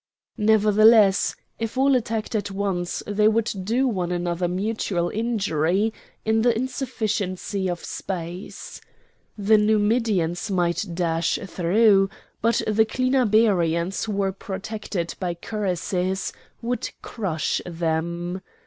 Nevertheless if all attacked at once they would do one another mutual injury in the insufficiency of space. The Numidians might dash through; but the Clinabarians, who were protected by cuirasses, would crush them.